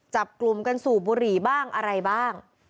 จับกลุ่มกันสูบบุหรี่บ้างอะไรบ้าง